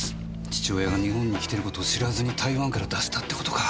父親が日本に来ている事を知らずに台湾から出したって事か。